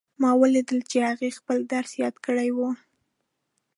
ما ولیدل چې هغې خپل درس یاد کړی وو